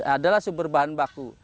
adalah sumber bahan baku